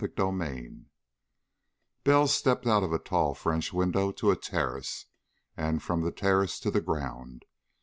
CHAPTER IV Bell stepped out of a tall French window to a terrace, and from the terrace to the ground.